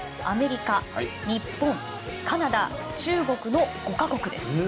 アメリカ、日本カナダ、中国の５カ国です。